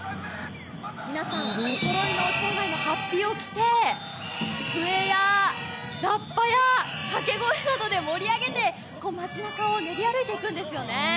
皆さん、おそろいの町内の法被を着て、笛やラッパやかけ声などで盛り上げて町なかを練り歩いていくんですよね。